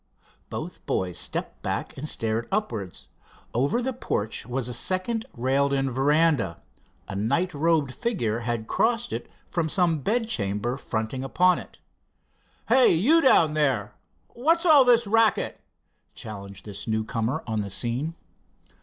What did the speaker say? Both boys stepped back and stared upwards. Over the porch was a second railed in veranda. A night robed figure had crossed it from some bed chamber fronting upon it. "Hey, you down there! What's all this racket?" challenged this newcomer on the scene.